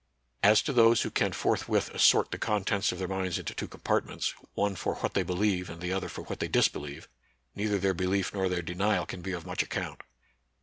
Asi to those who can forthwith assort the contents! of their minds into two compartments, one for what they believe and the other for what they! disbelieve, neither their belief nor their denial j can be of much account.